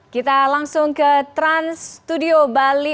kita langsung ke trans studio bali